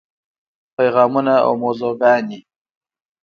پیغامونه او موضوعګانې: